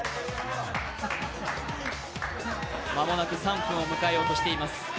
間もなく３分を迎えようとしています。